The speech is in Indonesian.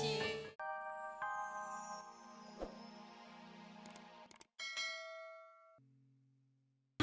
itu mau bilang om yos ya